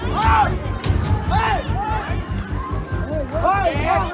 เท่านั้นคงสงหัวใจ